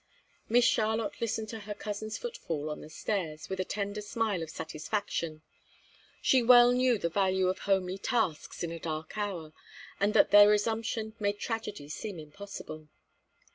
Miss Charlotte listened to her cousin's footfall on the stairs with a tender smile of satisfaction; she well knew the value of homely tasks in a dark hour, and that their resumption made tragedy seem impossible.